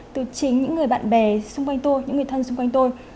từ chính những người bạn bè xung quanh tour những người thân xung quanh tôi